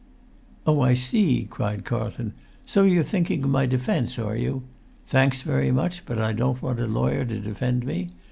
"Oh, I see!" cried Carlton. "So you're thinking of my defence, are you? Thanks very much, but I don't want a lawyer to defend me.